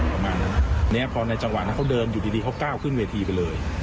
ประมาณนั้นเนี่ยพอในจังหวะนั้นเขาเดินอยู่ดีเขาก้าวขึ้นเวทีไปเลย